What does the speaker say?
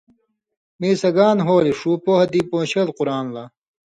میں سگان ہولئ ݜُو پوہہۡ دی پون٘شېل قرآں لا